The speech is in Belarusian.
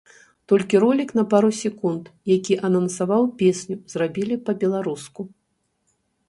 Толькі ролік на пару секунд, які анансаваў песню, зрабілі па-беларуску.